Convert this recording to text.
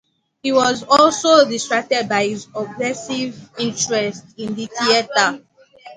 He was also distracted by his obsessive interest in the theater.